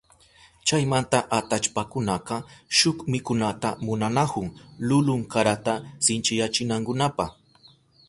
Chaymanta atallpakunaka shuk mikunata munanahun lulun karata sinchiyachinankunapa.